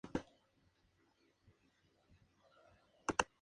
El estilo es similar a la de "Survivor", "Fear Factor" y "The Amazing Race".